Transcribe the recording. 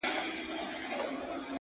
سړی چي مړسي ارمانونه يې دلېپاتهسي,